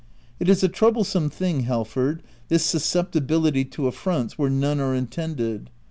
It is a troublesome thing Halford, this susceptibility to affronts where none are intended.